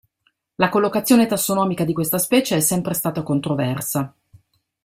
La collocazione tassonomica di questa specie è sempre stata controversa.